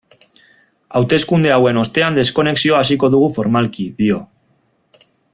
Hauteskunde hauen ostean deskonexioa hasiko dugu formalki, dio.